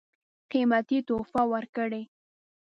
قېمتي تحفې ورکړې.